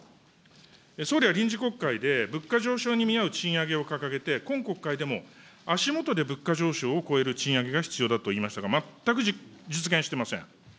総理は臨時国会で物価上昇に見合う賃上げを掲げて、今国会でも足下で物価上昇を超える賃上げが必要だといいましたが、全く実現してません。